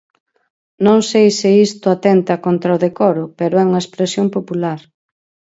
Non sei se isto atenta contra o decoro, pero é unha expresión popular.